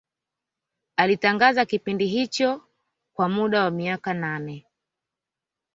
Alitangaza kipindi hicho kwa muda wa miaka nane